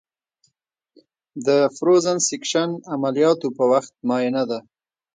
د فروزن سیکشن عملیاتو په وخت معاینه ده.